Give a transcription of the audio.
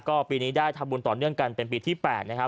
ก็ปีนี้ได้ทำบุญต่อเนื่องกันเป็นปีที่๘นะครับ